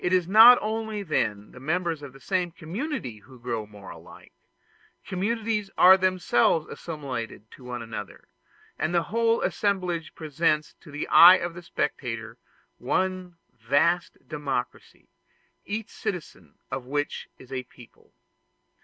It is not only then the members of the same community who grow more alike; communities are themselves assimilated to one another, and the whole assemblage presents to the eye of the spectator one vast democracy, each citizen of which is a people.